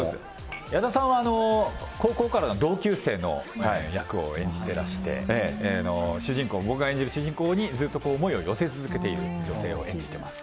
矢田さんは、高校からの同級生の役を演じてらして、主人公、僕が演じる主人公にずっと思いを寄せ続けている女性を演じてます。